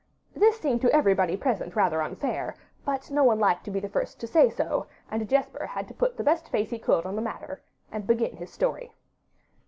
This seemed to everybody present rather unfair, but no one liked to be the first to say so, and Jesper had to put the best face he could on the matter, and begin his story.